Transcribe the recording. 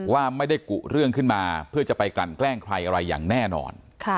ว่าไม่ได้กุเรื่องขึ้นมาเพื่อจะไปกลั่นแกล้งใครอะไรอย่างแน่นอน